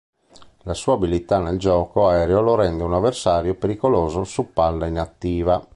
La sua abilità nel gioco aereo lo rende un avversario pericoloso su palla inattiva.